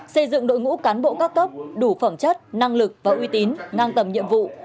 xây dựng đội ngũ cán bộ các cấp đủ phẩm chất năng lực và uy tín ngang tầm nhiệm vụ